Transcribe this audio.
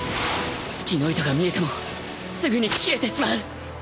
隙の糸が見えてもすぐに切れてしまう